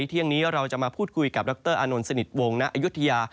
เที่ยงนี้เราจะมาพูดคุยกับดรอานนท์สนิทวงณอายุทยา